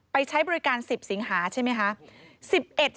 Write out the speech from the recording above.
ใช้บริการ๑๐สิงหาใช่ไหมคะ